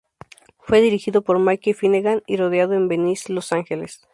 Fue dirigido por Mickey Finnegan y rodado en Venice, Los Ángeles.